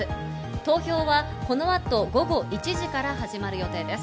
投票はこの後、午後１時から始まる予定です。